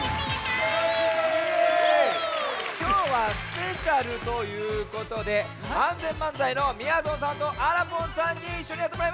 きょうはスペシャルということでＡＮＺＥＮ漫才のみやぞんさんとあらぽんさんにいっしょにやってもらいます。